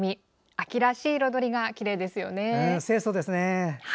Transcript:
秋らしい彩りがきれいですよね。